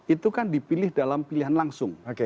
itu kan dipilih dalam pilihan langsung